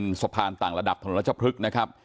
เป็นสะพานต่างระดับถนนรัชพฤกษ์นะครับ